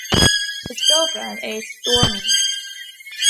His girlfriend is Stormy.